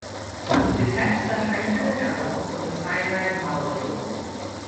Detach the hydrogen atom from the cyanide molecule.